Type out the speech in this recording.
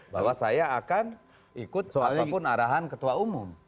bahwa saya akan ikut apapun arahan ketua umum